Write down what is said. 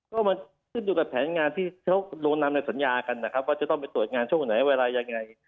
ก็มันขึ้นอยู่กับแผนงานที่เขาลงนำในสัญญากันนะครับว่าจะต้องไปตรวจงานช่วงไหนเวลายังไง